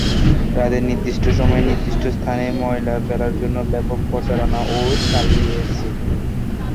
রাতে নির্দিষ্ট সময়ে নির্দিষ্ট স্থানে ময়লা ফেলার জন্য ব্যাপক প্রচারণাও চালিয়েছি।